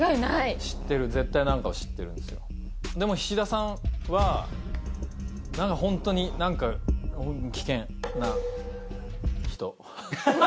でも菱田さんはホントに何か危険な人。